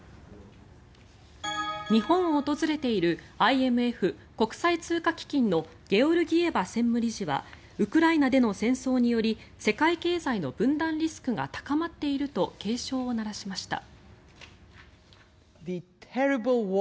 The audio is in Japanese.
日本を訪れているＩＭＦ・国際通貨基金のゲオルギエバ専務理事はウクライナでの戦争により世界経済の分断リスクが高まっていると警鐘を鳴らしました。